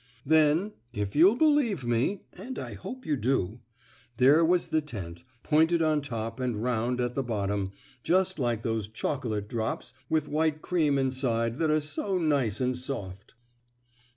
Then, if you'll believe me, and I hope you do, there was the tent, pointed on top and round at the bottom, just like those chocolate drops with white cream inside that are so nice and soft.